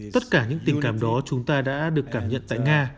tất cả những tình cảm đó chúng ta đã được cảm nhận tại nga